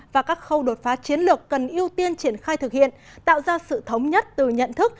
và các khâu đột phá chiến lược cần ưu tiên triển khai thực hiện tạo ra sự thống nhất từ nhận thức